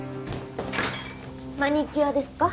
マニキュアですか？